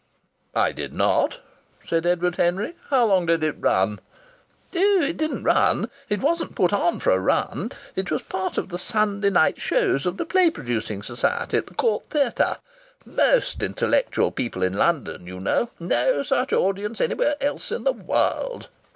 "I did not," said Edward Henry. "How long did it run?" "Oh! It didn't run. It wasn't put on for a run. It was part of one of the Sunday night shows of the Play Producing Society, at the Court Theatre. Most intellectual people in London, you know. No such audience anywhere else in the wahld!"